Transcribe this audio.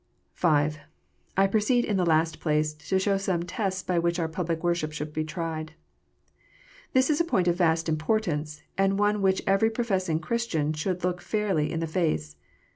V. I proceed, in the last place, to show some tests l)ij which OUT public worship should be tried. This is a point of vast importance, and one which every professing Christian should look fairly in the face.